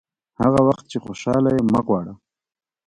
هغه وخت چې خوشاله یې مه غواړه.